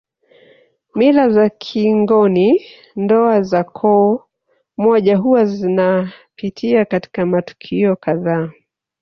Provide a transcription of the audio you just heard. Mila za kingoni ndoa za koo moja huwa zinapitia katika matukio kadhaa